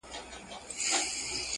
د دوى مخي ته لاسونه پرې كېدله،